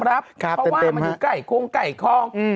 เพราะว่ามันอยู่ไก่โครงไก่คลอง